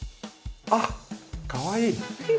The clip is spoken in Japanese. あっ、かわいい。